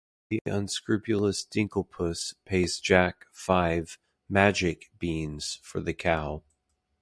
The unscrupulous Dinklepuss pays Jack five "magic" beans for the cow.